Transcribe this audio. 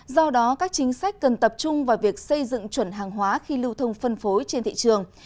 do đó các chính sách cần tập trung vào việc xây dựng chuẩn hàng hóa khi lưu thông phân phối trên thị trường